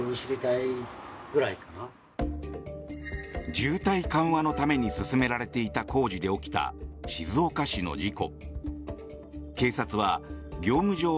渋滞緩和のために進められていた工事で起きた静岡市の事故。